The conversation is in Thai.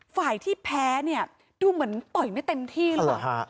ฝ่ายที่แพ้เนี่ยดูเหมือนต่อยไม่เต็มที่หรือเปล่า